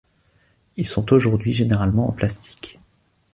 Ils sont aujourd'hui généralement en plastique.